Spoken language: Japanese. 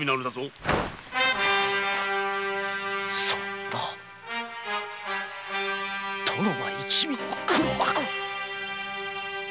そんな殿が一味の黒幕！？